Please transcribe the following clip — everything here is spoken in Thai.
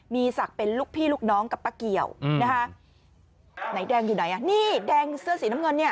มีสักเป็นลูกพี่ลูกน้องกับป๊ากเกียวนายแดงอยู่ไหนแดงเสื้อสีน้ำเงินเนี่ย